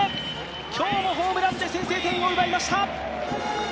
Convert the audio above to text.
今日もホームランで先制を奪いました。